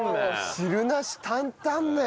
汁なし担々麺！